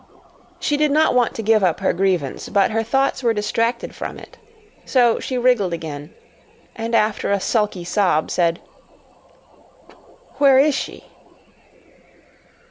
She did not want to give up her grievance, but her thoughts were distracted from it, so she wriggled again, and, after a sulky sob, said, "Where is she?"